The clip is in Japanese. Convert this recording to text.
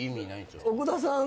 奥田さん